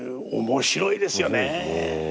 面白いですね。